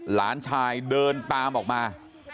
หลานชายเดินตามออกมา